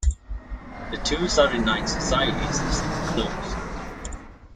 The two Saturday night societies have since closed.